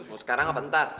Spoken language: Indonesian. mau sekarang apa bentar